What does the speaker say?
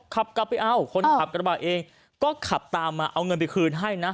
ขับกลับไปเอาคนขับกระบะเองก็ขับตามมาเอาเงินไปคืนให้นะ